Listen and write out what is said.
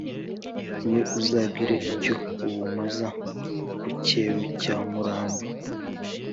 We uzagira icyo awumaza ku Cyeru cya Muramba.